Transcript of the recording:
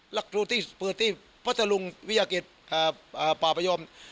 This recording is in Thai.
หลักศูนย์ที่พระทะลุงวิทยาลัยกิจป่าประยอม